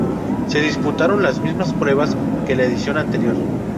Se disputaron las mismas pruebas que la edición anterior.